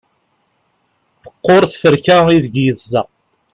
teqqur tferka ideg yeẓẓa